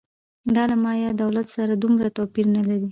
دا له مایا دولت سره دومره توپیر نه لري